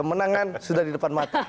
kemenangan sudah di depan mata